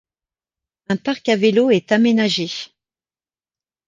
Un parc à vélos est aménagé.